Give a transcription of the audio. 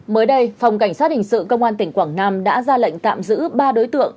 mới đây phòng cảnh sát hình sự công an tỉnh quảng nam đã ra lệnh tạm giữ ba đối tượng